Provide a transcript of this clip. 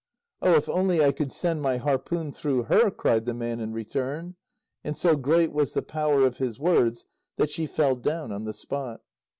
"Oh, if only I could send my harpoon through her," cried the man in return. And so great was the power of his words that she fell down on the spot.